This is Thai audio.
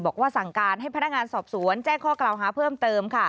บอกว่าสั่งการให้พนักงานสอบสวนแจ้งข้อกล่าวหาเพิ่มเติม